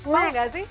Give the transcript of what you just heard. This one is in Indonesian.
mau nggak sih